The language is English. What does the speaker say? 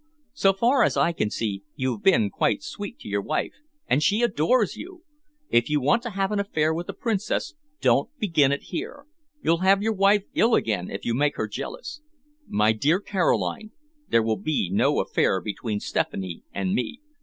So far as I can see, you've been quite sweet to your wife, and she adores you. If you want to have an affair with the Princess, don't begin it here. You'll have your wife ill again if you make her jealous." "My dear Caroline, there will be no affair between Stephanie and me.